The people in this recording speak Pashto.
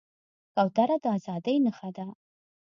کوتره د ازادۍ نښه ده.